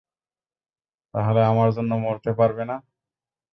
তাহলে আমার জন্য মরতে পারবে না?